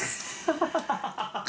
ハハハ